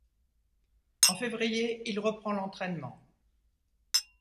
En février, il reprend l'entraînement.